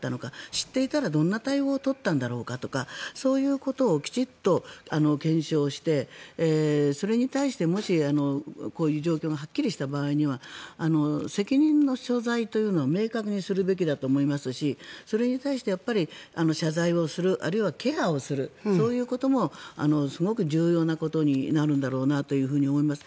知っていたら、どんな対応を取ったんだろうかとかそういうことをきちんと検証してそれに対してもしこういう状況がはっきりした場合には責任の所在というのを明確にするべきだと思いますしそれに対して謝罪をするあるいはケアをするそういうこともすごく重要なことになるんだろうと思います。